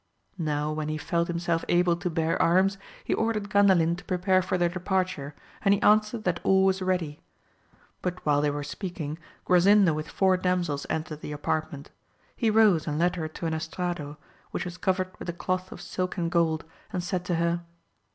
Now when he felt himself able to bear arms he ordered Gandalin to pre pare for their departure, and he answered that all was ready. But while they were speaking Grasinda with four damsels entered the apartment. He rose and led her to an estrado, which was covered with a cloth of silk and gold, and said to her.